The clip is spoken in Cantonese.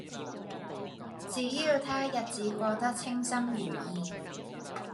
只要他日子過得稱心如意